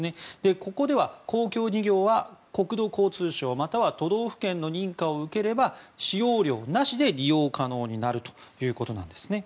ここでは公共事業は国土交通省または都道府県の認可を受ければ、使用料なしで利用可能になるということです。